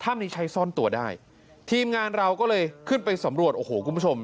นี้ใช้ซ่อนตัวได้ทีมงานเราก็เลยขึ้นไปสำรวจโอ้โหคุณผู้ชม